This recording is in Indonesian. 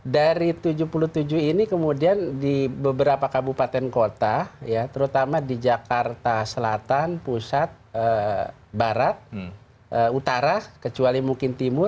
dari tujuh puluh tujuh ini kemudian di beberapa kabupaten kota terutama di jakarta selatan pusat barat utara kecuali mungkin timur